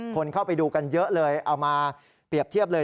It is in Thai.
คนเข้าไปดูกันเยอะเลยเอามาเปรียบเทียบเลย